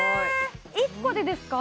１個でですか？